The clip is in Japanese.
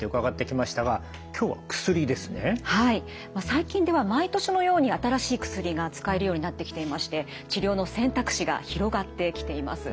最近では毎年のように新しい薬が使えるようになってきていまして治療の選択肢が広がってきています。